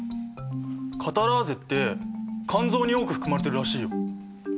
カタラーゼって肝臓に多く含まれてるらしいよ。